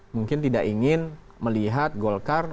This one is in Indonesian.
mungkin tidak ingin melihat golkar